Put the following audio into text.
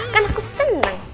kan aku seneng